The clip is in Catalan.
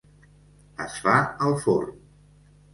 Es fa al forn.